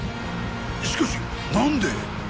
しかし何で？